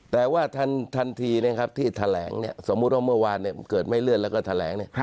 แต่ว่าทันทีที่แถลงสมมุติว่าเมื่อวานเกิดไม่เลื่อนแล้วก็แถลง